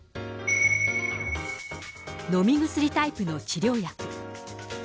飲み薬タイプの治療薬。